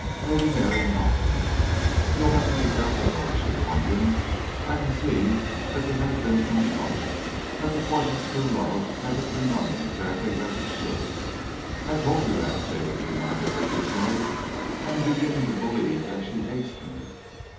Lady Mary nodded. "You'll have to be careful, though," she warned him. "I can see that there has been some trouble that the course of true love hasn't been running exactly as it should." "I told you that," Jacob reminded her dismally. "I am beginning to believe that she hates me."